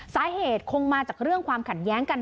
สาเหตุคงมาจากเรื่องความขัดแย้งกัน